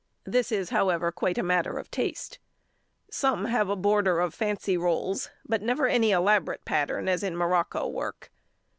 This is, however, quite a matter of taste. Some have a border of fancy rolls, but never any elaborate pattern as in morocco work.